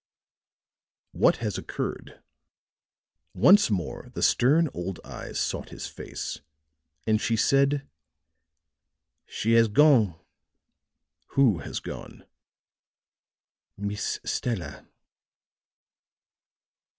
"What has occurred?" Once more the stern old eyes sought his face; and she said: "She has gone." "Who has gone?" "Miss Stella."